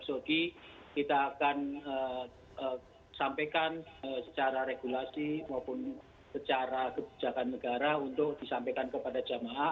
jadi kalau umroh yang diberikan ke arab saudi kita akan sampaikan secara regulasi maupun secara kebijakan negara untuk disampaikan kepada jamaah